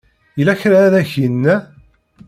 Yella kra ay ak-yenna?